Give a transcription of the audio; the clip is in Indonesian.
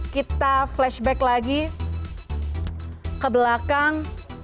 kita flashback lagi ke belakang